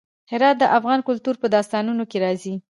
هرات د افغان کلتور په داستانونو کې راځي.